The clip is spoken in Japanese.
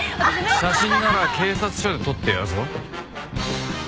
写真なら警察署で撮ってやるぞ。